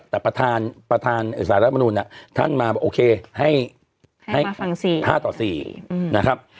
แต่ประธานสารรัฐมนุนท่านมาโอเคให้๕ต่อ๔นะครับ